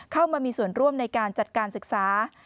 เข้ามามีส่วนร่วมในการจัดการศึกษา